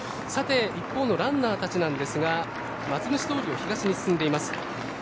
さて一方のランナーたちなんですが松虫通を東に進んでいます。